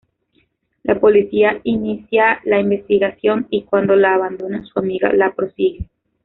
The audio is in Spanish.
La policía inicia la investigación y, cuando la abandona, su amiga la prosigue.